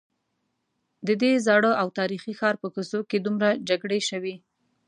ددې زاړه او تاریخي ښار په کوڅو کې دومره جګړې شوي.